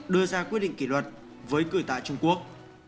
đưa ra quyết định kỷ luật với cử tại trung quốc